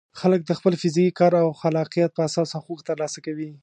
خلک د خپل فزیکي کار او خلاقیت په اساس حقوق ترلاسه کوي.